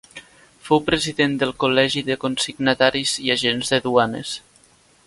Fou president del Col·legi de consignataris i agents de duanes.